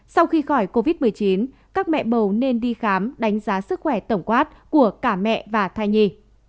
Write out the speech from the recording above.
sau khi khỏi covid một mươi chín các mẹ bầu nên đi khám đánh giá sức khỏe tổng quát của cả mẹ và thai nhi